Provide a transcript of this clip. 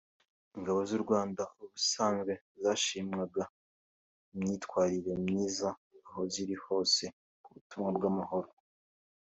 Ingabo z’u Rwanda ubusanzwe zashimwaga imyitwarire myiza aho ziri hose mu butumwa bw’amahoro